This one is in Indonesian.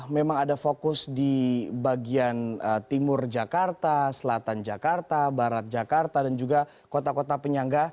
memang ada fokus di bagian timur jakarta selatan jakarta barat jakarta dan juga kota kota penyangga